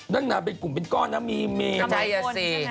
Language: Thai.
นางเป็นกลุ่มเป็นก้อนนะมีใครอ่ะสิ